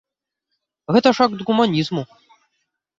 Гэта ж акт гуманізму.